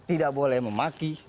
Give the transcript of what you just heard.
tidak boleh memaki